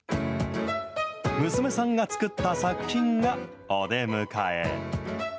娘さんが作った作品がお出迎え。